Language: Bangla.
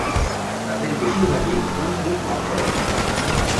তাদের বেশিরভাগই কুরআন শরিফ পাঠ করেন।